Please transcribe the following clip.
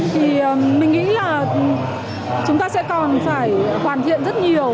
thì mình nghĩ là chúng ta sẽ còn phải hoàn thiện rất nhiều